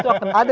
itu akan ada